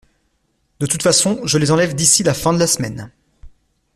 De toute façon, je les enlève d’ici la fin de la semaine.